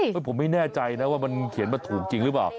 ผมไม่แน่ใจนะว่ามันเขียนมาถูกจริงหรือเปล่า